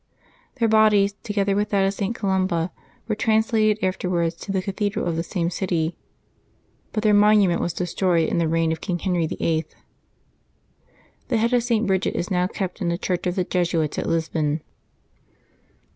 Their bodies, together with that of St. Columba, were translated afterwards to the cathedral of the same city, but their monument was de stroyed in the reign of King Henry VIII. The head of St. Bridgid is now kept in the church of the Jesuits at Lisbon.